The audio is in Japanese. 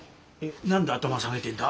何で頭下げてんだ？